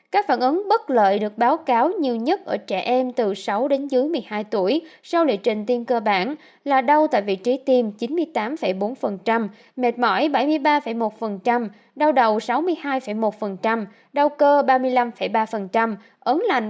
các phản ứng bất lợi được báo cáo nhiều nhất ở trẻ em từ sáu đến dưới một mươi hai tuổi sau lịa trình tiêm cơ bản là đau tại vị trí tiêm chín mươi tám bốn mệt mỏi bảy mươi ba một đau đầu sáu mươi hai một đau cơ ba mươi năm ba ớn lạnh ba mươi bốn sáu